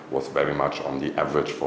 rất đơn giản cho cả khu vực asean